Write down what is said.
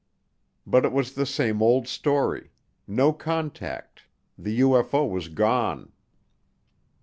But it was the same old story no contact the UFO was gone.